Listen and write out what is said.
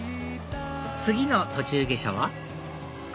次の途中下車は？